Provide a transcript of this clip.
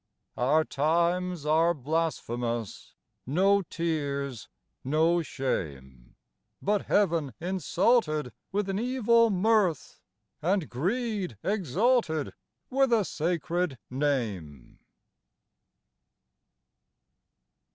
Our times are blasphemous : no tears, no shame, But heaven insulted with an evil mirth And greed exalted with a sacred name.